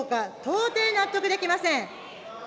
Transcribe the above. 到底納得できません。